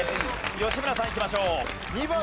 吉村さんいきましょう。